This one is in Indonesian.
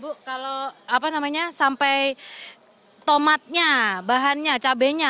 bu kalau apa namanya sampai tomatnya bahannya cabainya